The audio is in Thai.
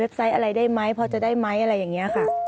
ขอมอบจากท่านรองเลยนะครับขอมอบจากท่านรองเลยนะครับขอมอบจากท่านรองเลยนะครับ